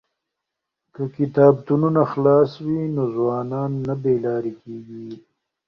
که کتابتونونه خلاص وي نو ځوانان نه بې لارې کیږي.